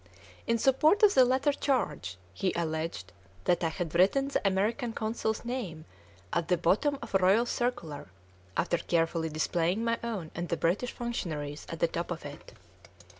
In support of the latter charge, he alleged that I had written the American Consul's name at the bottom of a royal circular, after carefully displaying my own and the British functionary's at the top of it.